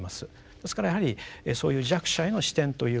ですからやはりそういう弱者への視点というもの